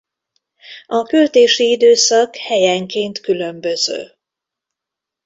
A költési időszak helyenként különböző.